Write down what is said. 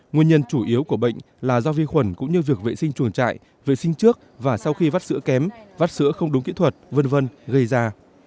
nguyên nhân chủ yếu của bệnh là do vi khuẩn cũng như việc vệ sinh chuồng trại vệ sinh trước và sau khi vắt sữa kém vắt sữa không đúng kỹ thuật v v gây ra